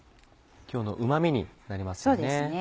今日のうま味になりますよね。